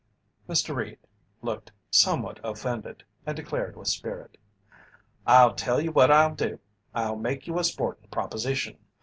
Mr. Reed looked somewhat offended and declared with spirit: "I'll tell you what I'll do I'll make you a sportin' proposition.